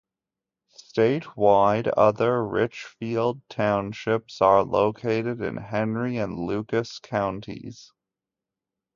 Statewide, other Richfield Townships are located in Henry and Lucas counties.